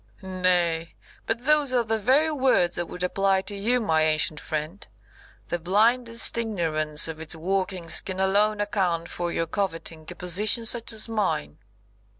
"Nay, but those are the very words I would apply to you, my ancient friend. The blindest ignorance of its workings can alone account for your coveting a position such as mine."